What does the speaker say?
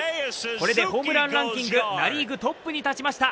これでホームランランキングナ・リーグトップにたちました。